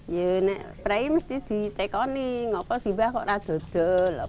iya nanti mesti ditekonin apa siapa yang ada